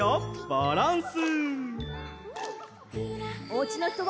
バランス。